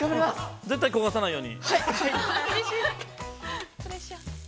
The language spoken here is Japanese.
◆絶対焦がさないように。